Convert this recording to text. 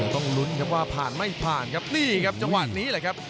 ต้องลุ้นครับว่าผ่านไม่ผ่านครับนี่ครับจังหวะนี้แหละครับ